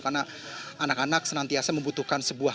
karena anak anak senantiasa membutuhkan sebuah